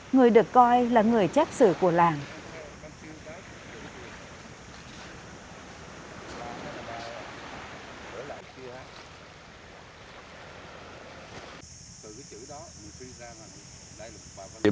người được coi là người chép sử của làng